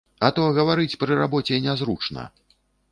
А то гаварыць пры рабоце нязручна.